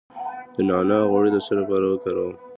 د نعناع غوړي د څه لپاره وکاروم؟